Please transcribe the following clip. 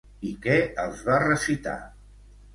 I què els va recitar?